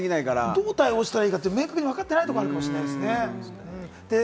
どう対応したらいいか明確にわかっていないところが多いかもしれないですね。